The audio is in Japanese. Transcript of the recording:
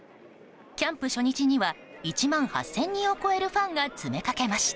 キャンプ初日には１万８０００人を超えるファンが詰めかけました。